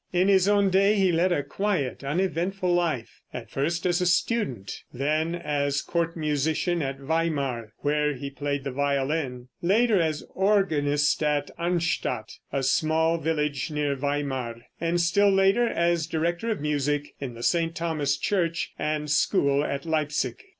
In his own day he led a quiet, uneventful life, at first as student, then as court musician at Weimar, where he played the violin; later as organist at Arnstadt, a small village near Weimar, and still later as director of music in the St. Thomas church and school at Leipsic.